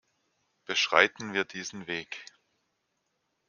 Beschreiten wir diesen Weg!